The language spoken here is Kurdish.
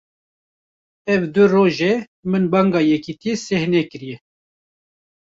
Ev du roj e, min banga yekîtiyê seh nekiriye